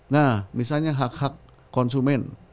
nah misalnya hak hak konsumen